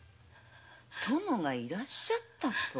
殿がいらっしゃったと。